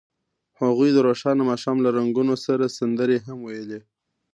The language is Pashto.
هغوی د روښانه ماښام له رنګونو سره سندرې هم ویلې.